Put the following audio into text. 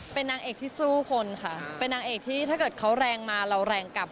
เป็นนางเอกที่สู้คนค่ะเป็นนางเอกที่ถ้าเกิดเขาแรงมาเราแรงกลับ